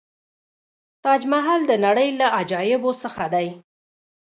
تاج محل د نړۍ له عجایبو څخه دی.